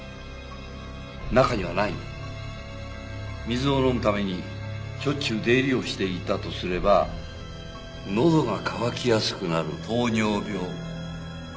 水を飲むためにしょっちゅう出入りをしていたとすればのどが渇きやすくなる糖尿病。